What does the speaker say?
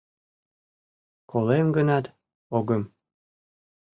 Колем гынат, огым.